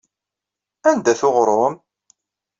Anda-t uɣrum?